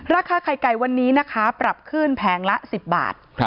ราคาไข่ไก่วันนี้นะคะปรับขึ้นแผงละ๑๐บาท